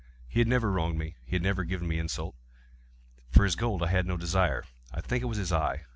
He had never wronged me. He had never given me insult. For his gold I had no desire. I think it was his eye!